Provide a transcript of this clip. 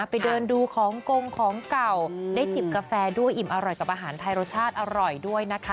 ไปเดินดูของกงของเก่าได้จิบกาแฟด้วยอิ่มอร่อยกับอาหารไทยรสชาติอร่อยด้วยนะคะ